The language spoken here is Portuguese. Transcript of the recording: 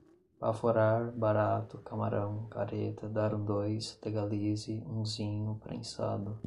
baforar, barato, camarão, careta, dar um dois, legalize, unzinho, prensado